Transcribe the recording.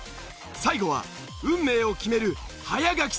最後は運命を決める早書き戦！